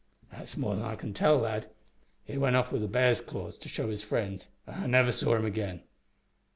"That's more than I can tell, lad. He went off wi' the b'ar's claws to show to his friends, an' I never saw him again.